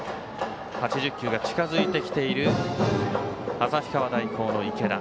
８０球が近づいてきている旭川大高の池田。